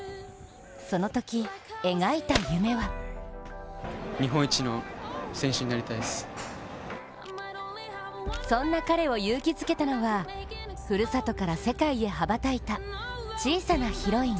そのとき、描いた夢はそんな彼を勇気づけたのはふるさとから世界へ羽ばたいた小さなヒロイン。